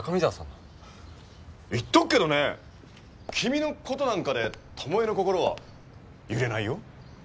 言っとくけどね君の事なんかで巴の心は揺れないよ。